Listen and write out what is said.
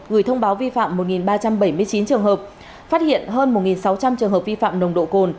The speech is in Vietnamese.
gửi thông báo vi phạm một ba trăm bảy mươi chín trường hợp phát hiện hơn một sáu trăm linh trường hợp vi phạm nồng độ cồn